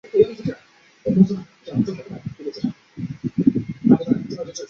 后为御史张仲炘得知上奏。